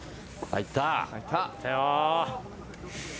入ったよ。